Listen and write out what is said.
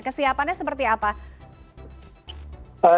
kesiapannya seperti apa